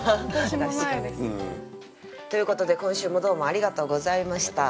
私もないです。ということで今週もどうもありがとうございました。